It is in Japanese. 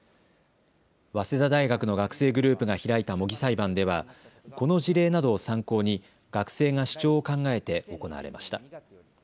早稲田大学の学生グループが開いた模擬裁判ではこの事例などを参考に学生が主張を考えて行われました。